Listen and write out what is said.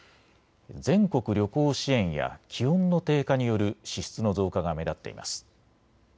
全国旅行支援や気温の低下による支出の増加が目立っています。